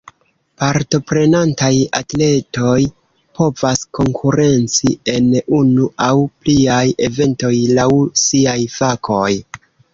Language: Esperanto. Partoprenantaj atletoj povas konkurenci en unu aŭ pliaj eventoj, laŭ siaj fakoj.